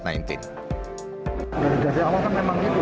dari dasar awal kan memang gitu